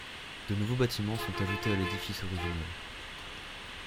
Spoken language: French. De nouveaux bâtiments sont ajoutés à l'édifice originel.